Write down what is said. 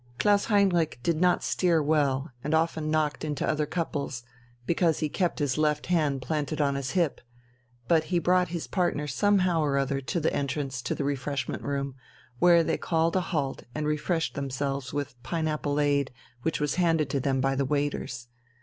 Klaus Heinrich did not steer well and often knocked into other couples, because he kept his left hand planted on his hip, but he brought his partner somehow or other to the entrance to the refreshment room, where they called a halt and refreshed themselves with pineappleade which was handed to them by the waiters.